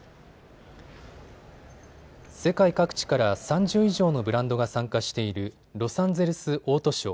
世界各地から３０以上のブランドが参加しているロサンゼルスオートショー。